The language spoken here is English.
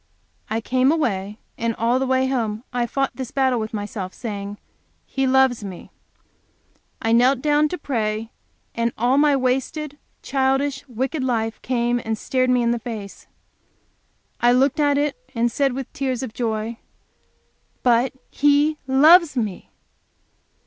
'" I came away, and all the way home I fought this battle with myself, saying, "He loves me!" I knelt down to pray, and all my wasted, childish, wicked life came and stared me in the face. I looked at it, and said with tears of joy, "But He loves me!"